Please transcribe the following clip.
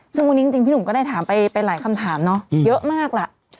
ซึ่งวันนี้จริงพี่หนุ่มก็ได้ถามไปหลายคำถามเนาะเยอะมากล่ะ